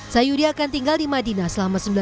sayudi akan tinggal di madinah selama sembilan belas bulan